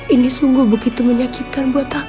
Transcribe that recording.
ini sungguh begitu menyakitkan buat aku